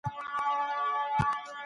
هغه ولي زهري ګولۍ تېروي؟